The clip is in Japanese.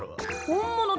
本物。